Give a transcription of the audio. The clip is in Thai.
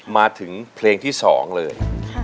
มาถึงเพลงที่๒เลย